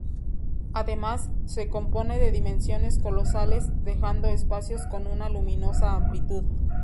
Además, se compone de dimensiones colosales, dejando espacios con una luminosa amplitud.